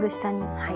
はい。